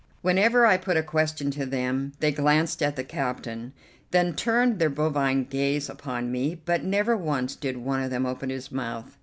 Whenever I put a question to them they glanced at the captain, then turned their bovine gaze upon me, but never once did one of them open his mouth.